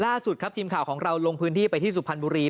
ล่าสุดครับทีมข่าวของเราลงพื้นที่ไปที่สุพรรณบุรี